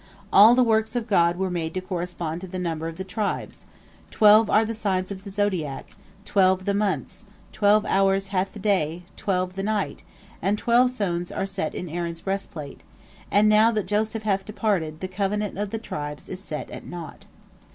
All the works of God were made to correspond to the number of the tribes—twelve are the signs of the zodiac, twelve the months, twelve hours hath the day, twelve the night, and twelve stones are set in Aaron's breastplate—and now that Joseph hath departed, the covenant of the tribes is set at naught."